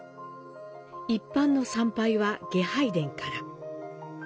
一般の参拝は外拝殿から。